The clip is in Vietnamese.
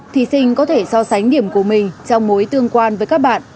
thí sinh có thể so sánh điểm của mình trong mối tương quan với các bạn